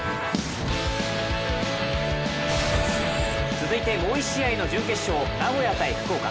続いて、もう１試合の準決勝、名古屋×福岡。